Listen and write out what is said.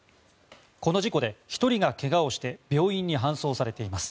この事故で、１人がけがをして病院に搬送されています。